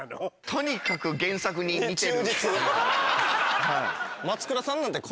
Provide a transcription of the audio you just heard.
とにかく原作に似てる。